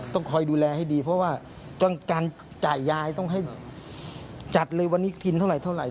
ต้องคอยดูแลให้ดีเพราะว่าการจ่ายยายต้องให้จัดเลยวันนี้กินเท่าไหร